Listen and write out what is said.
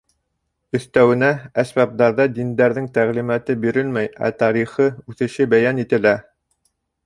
Өҫтәүенә әсбаптарҙа диндәрҙең тәғлимәте бирелмәй, ә тарихы, үҫеше бәйән ителә.